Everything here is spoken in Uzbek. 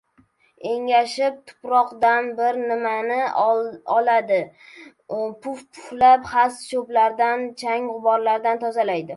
Engashib, tuproqdan bir nimalarni oladi, puf-puflab, xas-cho‘plardan, chang- g‘uborlardan tozalaydi.